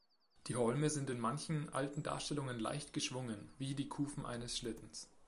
Die Holme sind in manchen alten Darstellungen leicht geschwungen, wie die Kufen eines Schlittens.